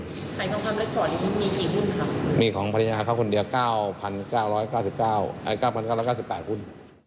หายทองคำเล็กก่อนมีกี่รุ่นครับมีของภรรยาเขาคนเดียว๙๙๙๘หุ้น